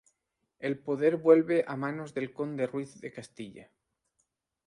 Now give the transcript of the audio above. El poder vuelve a manos del Conde Ruiz de Castilla.